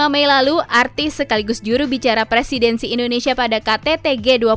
dua puluh lima mei lalu artis sekaligus jurubicara presidensi indonesia pada kttg dua puluh